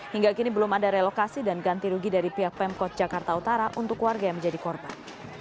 hingga kini belum ada relokasi dan ganti rugi dari pihak pemkot jakarta utara untuk warga yang menjadi korban